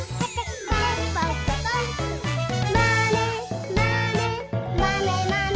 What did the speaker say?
「まねまねまねまね」